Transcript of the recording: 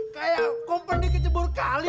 kayak kompak di kecebur kali